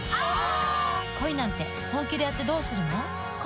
「恋なんて、本気でやってどうするの？」